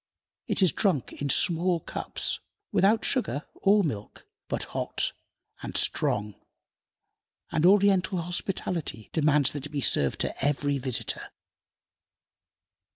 It is drank in small cups, without sugar or milk, but hot and strong, and Oriental hospitality demands that it be served to every visitor.